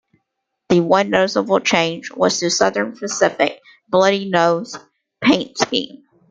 The one noticeable change was to Southern Pacific's "Bloody Nose" paint scheme.